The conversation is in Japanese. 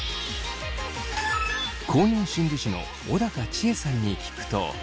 公認心理師の小高千枝さんに聞くと。